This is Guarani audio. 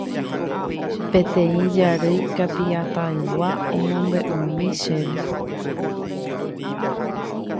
Peteĩ jarýi Kapi'atãygua omombe'úmi chéve